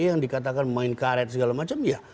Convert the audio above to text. yang dikatakan main karet segala macam ya